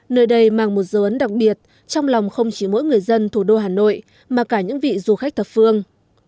nơi đây mang một dấu ấn đặc biệt trong lòng không chỉ mỗi người dân thủ đô hà nội mà cả những vị du khách thập phương